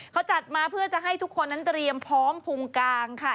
เขาจัดมาเพื่อจะให้ทุกคนนั้นเตรียมพร้อมภูมิกลางค่ะ